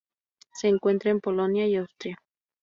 Se encuentra en Polonia y Austria.